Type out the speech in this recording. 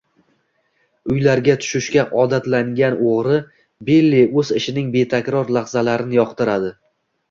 Uylarga tushishga odatlangan oʻgʻri Billi oʻz ishining betakror lahzalarini yoqtirardi.